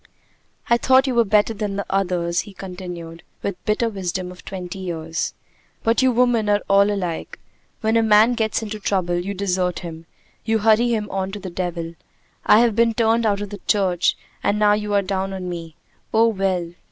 "I thought you were better than the others," he continued, with the bitter wisdom of twenty years. "But you women are all alike. When a man gets into trouble, you desert him. You hurry him on to the devil. I have been turned out of the church, and now you are down on me. Oh, well!